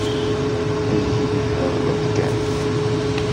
Ad yili thebleḍ kan.